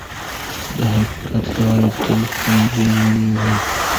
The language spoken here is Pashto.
د حقیقت لاره تل ستونزمنه وي.